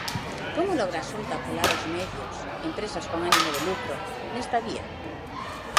Como logra a Xunta colar os medios, empresas con ánimo de lucro, nesta vía?